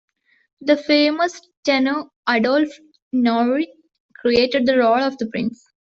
The famous tenor Adolphe Nourrit created the role of the Prince.